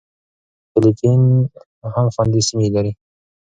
فېلېپین هم خوندي سیمې لري.